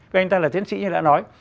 và anh ta là tiến sĩ như đã nói